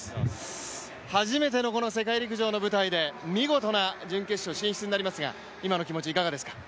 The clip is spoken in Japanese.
初めてのこの世界陸上の舞台で見事な準決勝進出になりますが、今の気持ち、いかがですか。